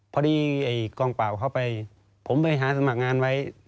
ไอ้กองปราบเข้าไปผมไปหาสมัครงานไว้